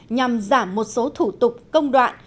nhằm giảm một số thủ tục công đoạn